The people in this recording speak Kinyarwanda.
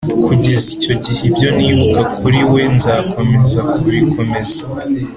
kugeza icyo gihe ibyo nibuka kuri wewe nzakomeza kubikomeza,